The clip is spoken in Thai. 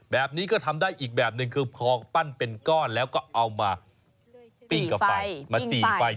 แบบนี้ก็ทำได้อีกแบบนึงคือทำปั้นเป็นก้อนแล้วก็เอามาปิ่งกับไฟ